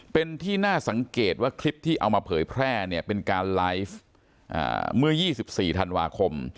เป็นที่น่าสังเกตว่าคลิปที่เอามาเผยแพร่เนี่ยเป็นการไลฟ์เมื่อ๒๔ธันวาคม